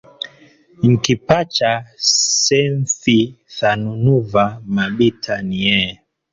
Nkipacha senthi thanunuva mabita niyee